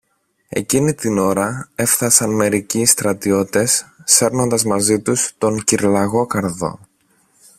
Εκείνη την ώρα έφθασαν μερικοί στρατιώτες σέρνοντας μαζί τους τον κυρ-Λαγόκαρδο.